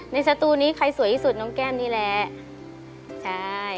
สตูนี้ใครสวยที่สุดน้องแก้มนี่แหละใช่